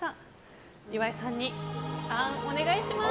岩井さんにあーんをお願いします。